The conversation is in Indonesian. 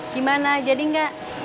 gimana jadi nggak